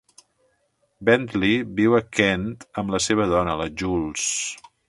Bentley viu a Kent amb la seva dona, la Jools.